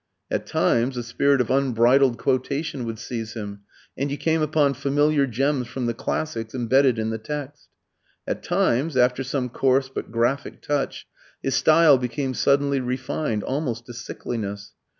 At times a spirit of unbridled quotation would seize him, and you came upon familiar gems from the classics imbedded in the text. At times, after some coarse but graphic touch, his style became suddenly refined, almost to sickliness.